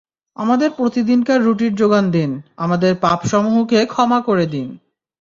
আমাদের প্রতিদিনকার রুটির জোগান দিন, আমাদের পাপসমূহকে ক্ষমা করে দিন!